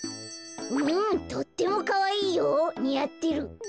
うんとってもかわいいよにあってる。